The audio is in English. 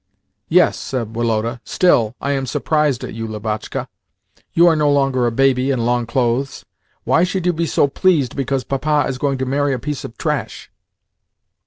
"Yes," said Woloda. "Still, I am surprised at you, Lubotshka. You are no longer a baby in long clothes. Why should you be so pleased because Papa is going to marry a piece of trash?"